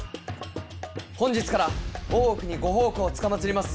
本日から大奥にご奉公つかまつります